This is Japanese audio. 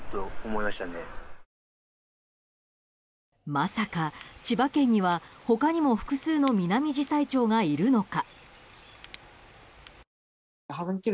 まさか千葉県には他にも複数のミナミジサイチョウがいるのか？